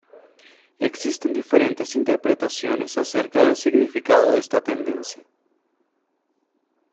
Existen diferentes interpretaciones acerca del significado de esta tendencia.